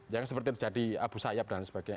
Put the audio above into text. yang seperti jadi abu sayap dan sebagainya